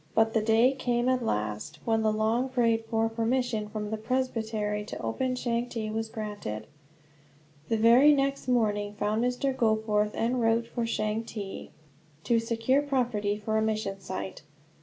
But the day came, at last, when the long prayed for permission from the presbytery to open Changte was granted. The very next morning found Mr. Goforth en route for Changte, to secure property for a mission site.